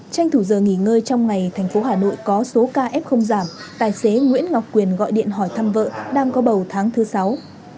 tranh thủ giờ nghỉ ngơi trong ngày tp hà nội có số kf giảm tài xế nguyễn ngọc quyền gọi điện hỏi thăm vợ đang có bầu tháng thứ sáu